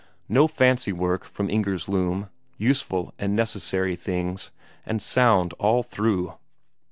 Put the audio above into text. No fancy work from Inger's loom; useful and necessary things, and sound all through.